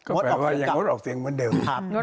ก็แปลว่ายังงวดออกเสียงเหมือนเดิม